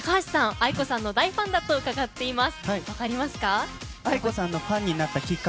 ａｉｋｏさんの大ファンだと伺っています。